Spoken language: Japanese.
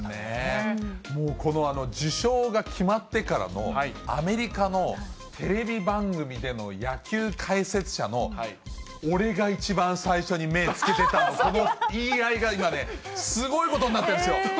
もう、この受賞が決まってからの、アメリカのテレビ番組での野球解説者の、俺が一番最初に目、つけてたんだっていう言い合いが今ね、すごいことになってるんですよ。